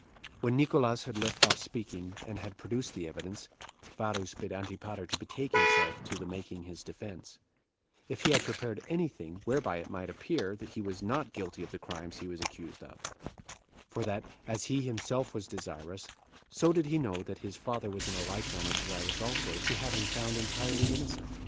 When Nicolaus had left off speaking, and had produced the evidence, Varus bid Antipater to betake himself to the making his defense, if he had prepared any thing whereby it might appear that he was not guilty of the crimes he was accused of; for that, as he was himself desirous, so did he know that his father was in like manner desirous also, to have him found entirely innocent.